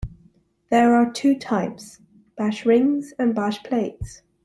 There are two types, bashrings and bashplates.